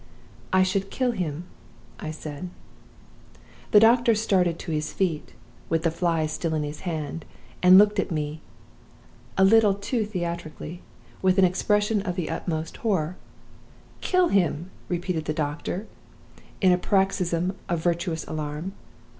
"'I should kill him,' I said. "The doctor started to his feet (with the fly still in his hand), and looked at me a little too theatrically with an expression of the utmost horror. "'Kill him!' repeated the doctor, in a paroxysm of virtuous alarm.